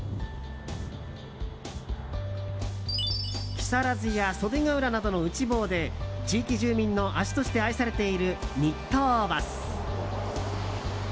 木更津や袖ケ浦などの内房で地域住民の足として愛されている日東バス。